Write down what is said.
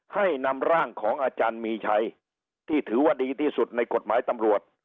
ให้นำร่างของอาจารย์มีชัยที่ถือว่าดีที่สุดในกฎหมายตำรวจ